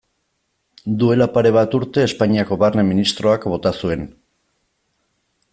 Duela pare bat urte Espainiako Barne ministroak bota zuen.